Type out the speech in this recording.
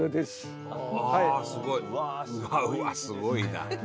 すごいな。